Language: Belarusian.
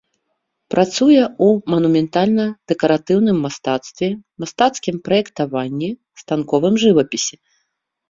Працуе ў манументальна-дэкаратыўным мастацтве, мастацкім праектаванні, станковым жывапісе.